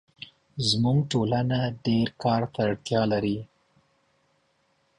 زموږ ټولنه ډېرکار ته اړتیا لري